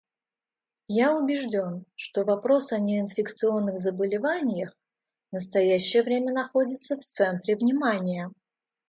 Я убежден, что вопрос о неинфекционных заболеваниях в настоящее время находится в центре внимания.